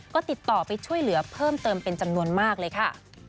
ก็ติดต่อไปช่วยเหลือเพิ่มเติมเป็นจำนวนมากเลยค่ะ